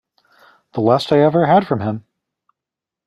The last I ever had from him.